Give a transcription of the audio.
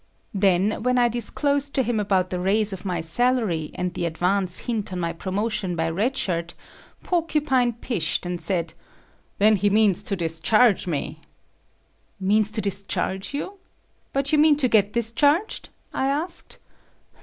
Then, when I disclosed to him about the raise of my salary and the advance hint on my promotion by Red Shirt, Porcupine pished, and said, "Then he means to discharge me." "Means to discharge you? But you mean to get discharged?" I asked.